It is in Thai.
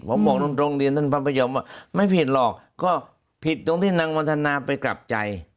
ผมบอกตรงเรียนท่านพระพยอมว่าไม่ผิดหรอกก็ผิดตรงที่นางวันธนาไปกลับใจ